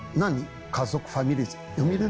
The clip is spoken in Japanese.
家族ファミリーです。